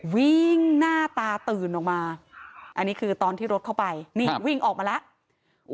วิ่งหน้าตาตื่นออกมาอันนี้คือตอนที่รถเข้าไปนี่วิ่งออกมาแล้ว